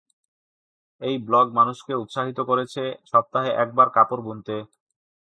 এই ব্লগ মানুষকে উৎসাহিত করেছে "সপ্তাহে একবার কাপড় বুনতে"।